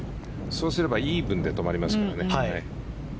そうすればイーブンで止まりますからね。